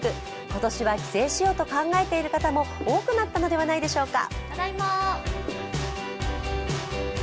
今年は帰省しようと考えている方も多くなったのではないでしょうか。